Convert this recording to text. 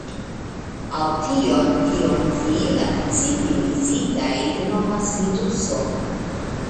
Aŭ tion kion vi, la civilizitaj, nomas viruso.